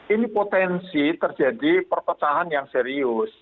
ini potensi terjadi perpecahan yang serius